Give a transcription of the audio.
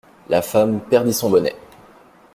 La femme perdit son bonnet.